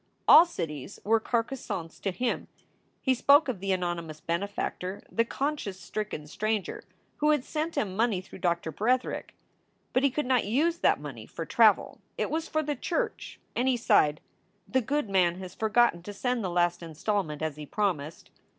All cities were Carcassones to him. He spoke of the anonymous benefactor, the con science stricken stranger who had sent him money through Doctor Bretherick. But he could not use that money for travel; it was for the church, and he sighed, "The good man has forgotten to send the last installment as he promised."